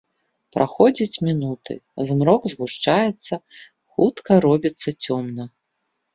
Праходзяць мінуты, змрок згушчаецца, хутка робіцца цёмна.